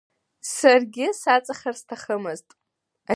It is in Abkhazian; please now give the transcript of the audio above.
Саргьы саҵахар сҭахымызт.